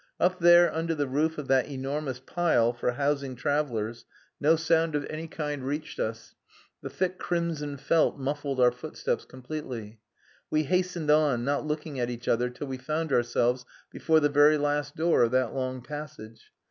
Up there under the roof of that enormous pile for housing travellers no sound of any kind reached us, the thick crimson felt muffled our footsteps completely. We hastened on, not looking at each other till we found ourselves before the very last door of that long passage.